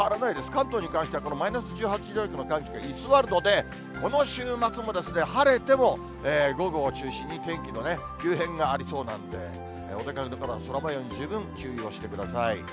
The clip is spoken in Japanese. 関東に関してはこのマイナス１８度以下の寒気が居座るので、この週末も晴れても、午後を中心に天気の急変がありそうなんで、お出かけの方、空もように十分注意をしてください。